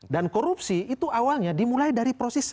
dan korupsi itu awalnya dimulai dari proses legislatif